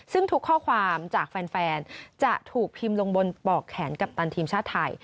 ซึ่งทุกข้อความจากแฟนจะถูกพิมพ์ลงบนปอกแขนกัปตันทีมชาติไทย